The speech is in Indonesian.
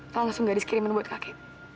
lo langsung garis kiriman buat kakek